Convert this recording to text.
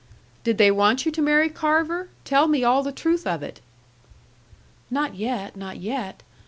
'Did they want you to marry Carver? Tell me all the truth of it.' 'Not yet, not yet.